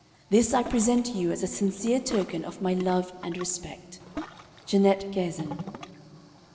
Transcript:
This I present you as a sincere token of my love and respect. "JEANNETTE GAZIN."